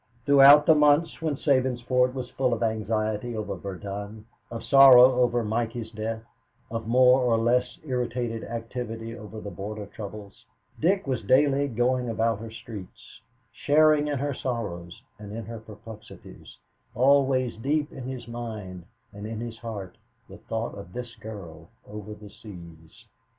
Throughout the months when Sabinsport was full of anxiety over Verdun, of sorrow over Mikey's death, of more or less irritated activity over the Border troubles, Dick was daily going about her streets, sharing in her sorrows and in her perplexities, always deep in his mind and in his heart the thought of this girl over the seas.